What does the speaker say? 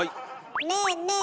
ねえねえ